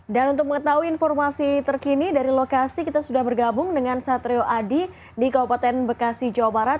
dan untuk mengetahui informasi terkini dari lokasi kita sudah bergabung dengan satrio adi di kabupaten bekasi jawa barat